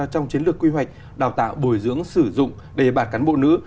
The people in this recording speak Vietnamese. trong chiến lược quy hoạch đào tạo bồi dưỡng sử dụng đề bạt cán bộ nữ